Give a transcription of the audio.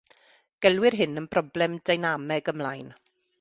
Gelwir hyn yn broblem dynameg ymlaen.